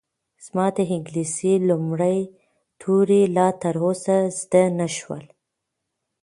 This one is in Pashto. زما د انګلیسي لومړي توري لا تر اوسه زده نه شول.